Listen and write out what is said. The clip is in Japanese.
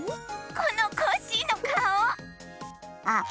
このコッシーのかお！あっ。